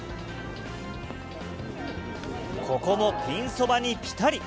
ここもピンそばにぴたり。